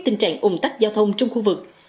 tình trạng ủng tắc giao thông trong khu vực